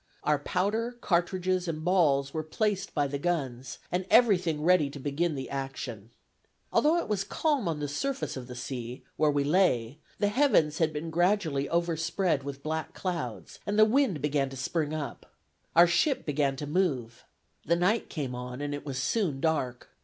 Our powder, cartridges, and balls, were placed by the guns, and everything ready to begin the action. Although it was calm on the surface of the sea, where we lay, the heavens had been gradually overspread with black clouds, and the wind began to spring up. Our ship began to move. The night came on, and it was soon dark.